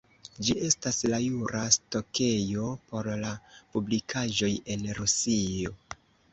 Ĝi estas la jura stokejo por la publikaĵoj en Rusio.